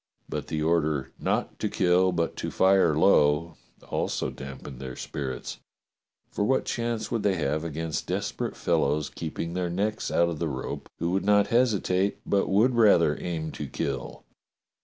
But the order "Not to kill, but to fire low," also damped their spirits, for what chance would they have against desperate fellows keeping their necks out of the rope, who would not hesitate but would rather aim to kill